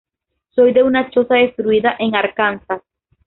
Soy de una choza destruida en Arkansas.